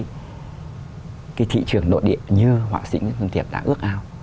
cái thị trường nội địa như họa sĩ nguyễn xuân tiệp đã ước ao